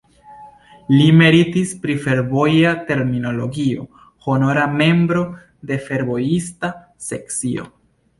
Li meritis pri fervoja terminologio, honora membro de fervojista sekcio.